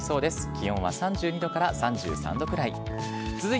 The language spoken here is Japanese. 気温は３２度から３３度くらい。